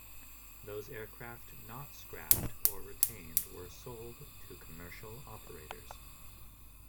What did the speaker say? Those aircraft not scrapped or retained were sold to commercial operators.